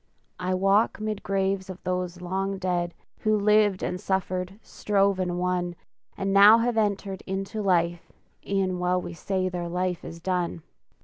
I walk 'mid graves of those long dead, Who lived and suffered, strove and won, And now have entered into life E'en while we say their life is done!